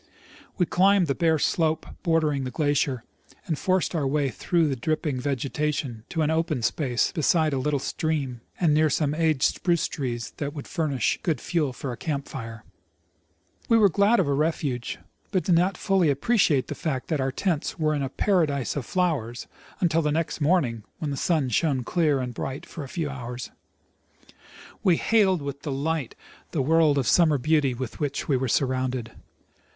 We climbed the bare slope bordering the glacier, and forced our way through the dripping vegetation to an open space beside a little stream and near some aged spruce trees that would furnish good fuel for a camp fire. We were glad of a refuge, but did not fully appreciate the fact that our tents were in a paradise of flowers until the next morn ing, when the sun shone clear and bright for a few hours. We hailed \\\i\\ delight the world of summer beauty with which we were surrounded.